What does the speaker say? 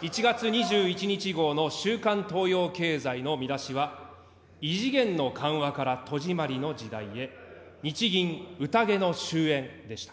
１月２１日号の週刊東洋経済の見出しは、異次元の緩和から戸締りの時代へ日銀、宴の終焉でした。